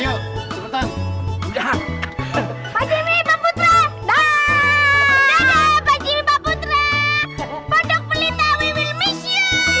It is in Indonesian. hehehe ayo kebetulan udah pak jimmy mbak putra